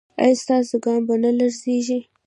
ایا ستاسو ګام به نه لړزیږي؟